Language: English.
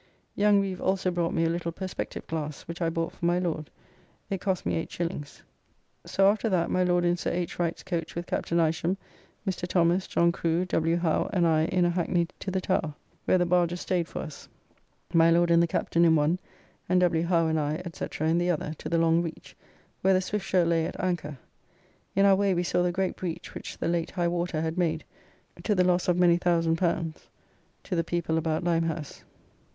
Young Reeve also brought me a little perspective glass which I bought for my Lord, it cost me 8s. So after that my Lord in Sir H. Wright's coach with Captain Isham, Mr. Thomas, John Crew, W. Howe, and I in a Hackney to the Tower, where the barges staid for us; my Lord and the Captain in one, and W. Howe and I, &c., in the other, to the Long Reach, where the Swiftsure lay at anchor; (in our way we saw the great breach which the late high water had made, to the loss of many L1000 to the people about Limehouse.)